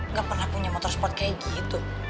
nggak pernah punya motor sport kayak gitu